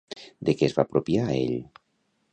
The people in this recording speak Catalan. De què es va apropiar ell?